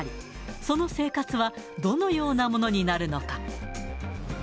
その生活はどのようなものになるのか。